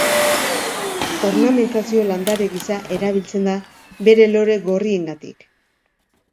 Ornamentazio landare gisa erabiltzen da bere lore gorriengatik.